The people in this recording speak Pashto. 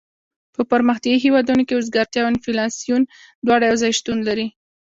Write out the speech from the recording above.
په پرمختیایي هېوادونو کې اوزګارتیا او انفلاسیون دواړه یو ځای شتون لري.